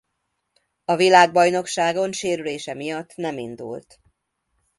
A világbajnokságon sérülése miatt nem indult.